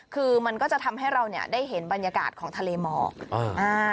คือมันก็จะทำให้เราเนี่ยได้เห็นบรรยากาศของทะเลหมอกอ่า